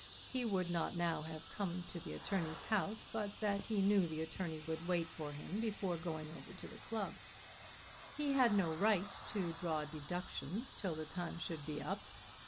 He would not now have come to the attorney's house but that he knew the attorney would wait for him before going over to the club. He had no right to draw deductions till the time should be up.